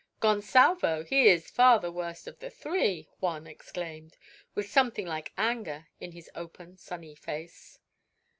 "Gonsalvo! he is far the worst of the three," Juan exclaimed, with something like anger in his open, sunny face.